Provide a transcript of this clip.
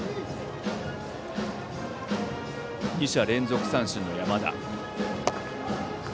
２者連続三振の山田。